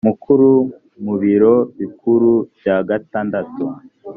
mukuru mu biro bikuru bya gatandatu